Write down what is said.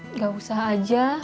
enggak usah aja